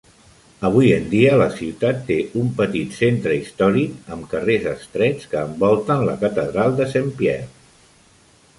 Avui en dia, la ciutat té un petit centre històric amb carrers estrets que envolten la catedral de Saint-Pierre.